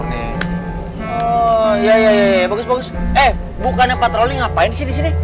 ya ya ya iya bagus bagus eh bukannya patroli ngapain sih disini